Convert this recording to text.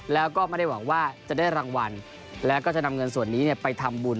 แล้วก็ไม่ได้หวังว่าจะได้รางวัลแล้วก็จะนำเงินส่วนนี้ไปทำบุญ